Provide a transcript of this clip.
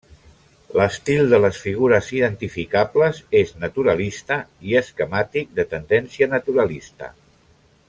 L'estil de les figures identificables és naturalista i esquemàtic de tendència naturalista.